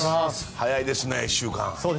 早いですね、１週間。